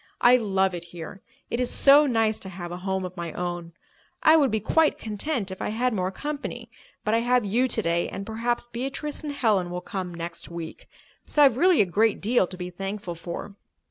I love it here. It is so nice to have a home of my own. I would be quite content if I had more company. But I have you today, and perhaps Beatrice and Helen will come next week. So I've really a great deal to be thankful for."